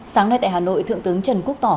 sáng nay tại hà nội thượng tướng trần quốc tỏ